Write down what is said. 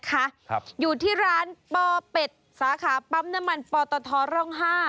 ครับอยู่ที่ร้านปอเป็ดสาขาปั๊มน้ำมันปอตทร่องห้า